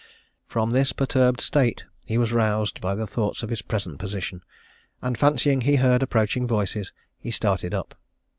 From this perturbed state he was roused by the thoughts of his present position, and fancying he heard approaching voices, he started up.